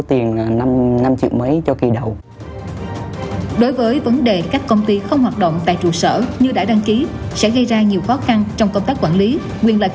trong trường hợp các đơn vị không hoạt động đại trụ sở như vậy thì cơ sở nào để cho các người dân đảm bảo quyền lợi